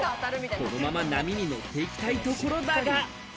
このまま波に乗っていきたいところだが。